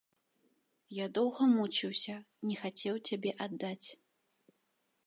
Я доўга мучыўся, не хацеў цябе аддаць.